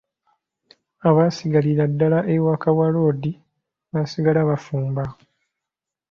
Abaasigalira ddala awaka wa loodi baasigala bafumba.